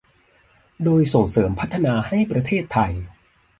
โดยส่งเสริมพัฒนาให้ประเทศไทย